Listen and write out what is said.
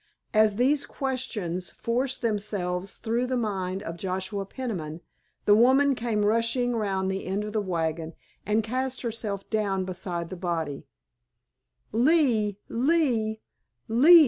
As these questions forced themselves through the mind of Joshua Peniman the woman came rushing around the end of the wagon and cast herself down beside the body. "Lee, Lee, Lee!"